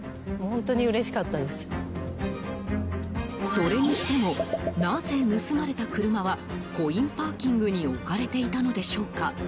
それにしてもなぜ、盗まれた車はコインパーキングに置かれていたのでしょうか？